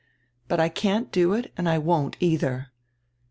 But I can't do it and I won't, either.